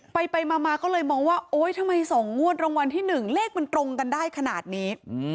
ไปมาก็เลยมองว่าโอ๊ยทำไม๒งวดรางวัลที่๑เลขมันตรงกันได้ขนาดนี้